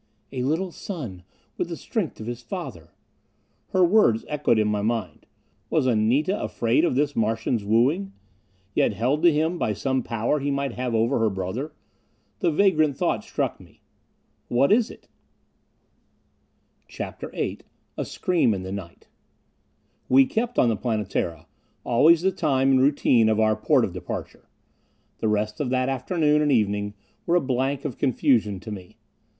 "A little son with the strength of his father...." Her words echoed in my mind. Was Anita afraid of this Martian's wooing? Yet held to him by some power he might have over her brother? The vagrant thought struck me. Was it that? CHAPTER VIII A Scream in the Night We kept, on the Planetara, always the time and routine of our port of departure. The rest of that afternoon and evening were a blank of confusion to me.